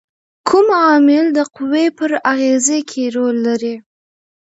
کوم عامل د قوې پر اغیزې کې رول لري؟